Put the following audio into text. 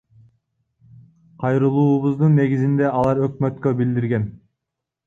Кайрылуубуздун негизинде алар Өкмөткө билдирген.